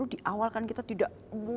di awal kan kita tidak